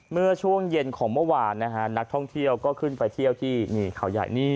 เมื่อช่วงเย็นของเมื่อวานนะฮะนักท่องเที่ยวก็ขึ้นไปเที่ยวที่นี่เขาใหญ่นี่